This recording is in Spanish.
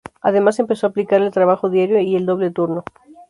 Además empezó a aplicar el trabajo diario y el doble turno.